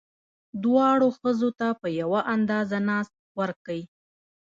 دواړو ښځو ته په یوه اندازه ناز ورکئ.